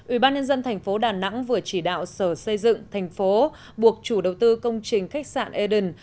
ủy ban nhân dân thành phố đà nẵng vừa chỉ đạo sở xây dựng thành phố buộc chủ đầu tư công trình khách sạn eden